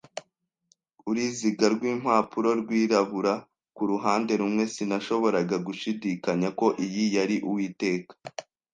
uruziga rw'impapuro, rwirabura ku ruhande rumwe. Sinashoboraga gushidikanya ko iyi yari Uwiteka